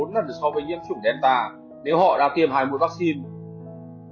ba bốn lần so với nhiễm chủng delta nếu họ đã tiêm hai mũi vaccine